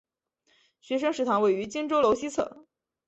学生食堂位于荆州楼西侧。